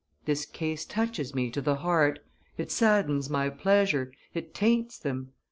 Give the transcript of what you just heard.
... This case touches me to the heart; it saddens my pleasures, it taints them.